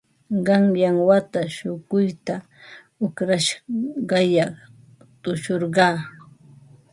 Qanyan wata shukuyta uqrashqayaq tushurqaa.